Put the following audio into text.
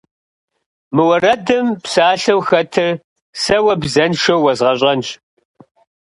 Мы уэрэдым псалъэу хэтыр сэ уэ бзэншэу уэзгъэщӏэнщ.